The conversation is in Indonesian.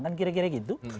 kan kira kira gitu